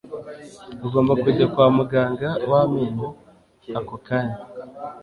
Ugomba kujya kwa muganga w'amenyo ako kanya.